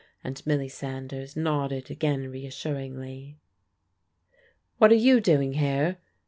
And Milly Sanders nodded again reassuringly. "What are you doing here?"